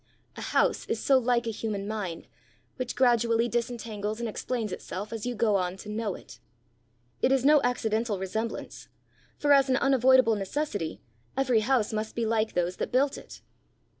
A house is so like a human mind, which gradually disentangles and explains itself as you go on to know it! It is no accidental resemblance, for, as an unavoidable necessity, every house must be like those that built it."